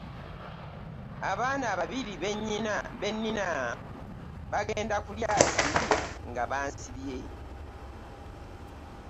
Abaana babiri be nnina bagenda kulya ki nga bansibye?